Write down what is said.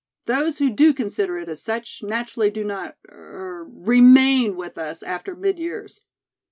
Those who do consider it as such, naturally, do not er remain with us after mid years."